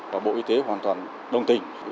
và bộ y tế hoàn toàn đồng tình